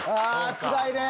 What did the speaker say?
つらいね！